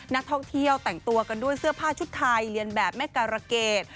นักท่องเที่ยวแต่งตัวกันด้วยเสื้อผ้าชุดไทยเรียนแบบแม่การะเกด